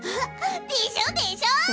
でしょでしょ！